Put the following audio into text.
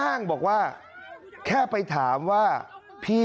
เขาเล่าบอกว่าเขากับเพื่อนเนี่ยที่เรียนปลูกแดงใช่ไหม